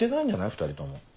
２人とも。